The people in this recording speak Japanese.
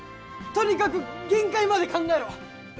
とにかく限界まで考えろ！